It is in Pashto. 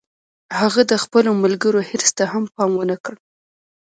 هغه د خپلو ملګرو حرص ته هم پام و نه کړ